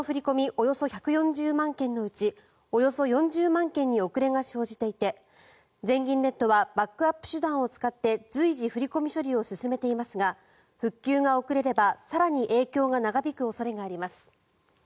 およそ１４０万件のうちおよそ４０万件に遅れが生じていて全銀ネットはバックアップ手段を使って随時振り込み処理を進めていますが復旧が遅れれば